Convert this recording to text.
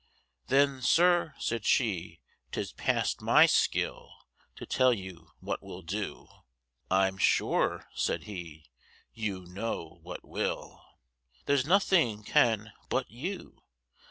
Then Sir, said she, 'tis past my skill, To tell you what will do; I'm sure, said he, you know what will; There's nothing can but you.